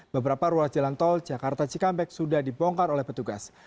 beberapa ruas jalan tol jakarta cikampek sudah dibongkar oleh petugas